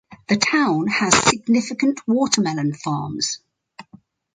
The town has significant watermelon farms.